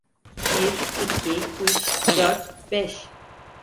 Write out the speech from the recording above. Bir, iki, üç, dört, beş.